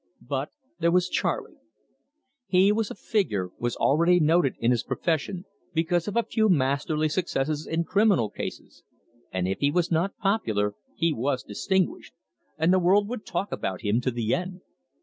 But there was Charley. He was a figure, was already noted in his profession because of a few masterly successes in criminal cases, and if he was not popular, he was distinguished, and the world would talk about him to the end.